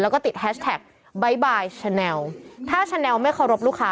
แล้วก็ติดแฮชแท็ก